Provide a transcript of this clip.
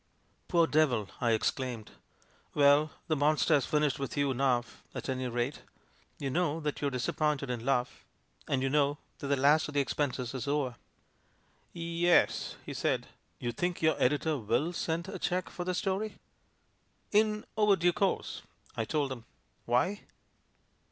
"Poor devil!" I exclaimed. ... "Well, the monster has finished with you now, at any ratel You know that you're disappointed in love, and you know that the last of the expenses is over." "Y e s," he said. ... "You think your editor mil send a cheque for the story?" "In overdue course," I told him. "Why?"